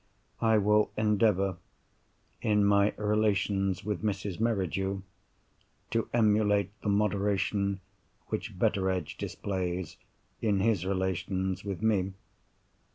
I will endeavour, in my relations with Mrs. Merridew, to emulate the moderation which Betteredge displays in his relations with me.